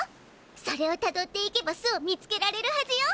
それをたどっていけば巣を見つけられるはずよ。